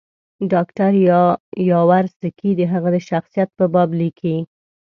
ډاکټر یاورسکي د هغه د شخصیت په باب لیکي.